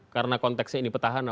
karena konteksnya ini petahana